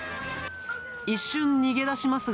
一瞬逃げ出しますが。